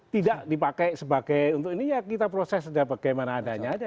tidak dipakai sebagai untuk ini ya kita proses aja bagaimana adanya aja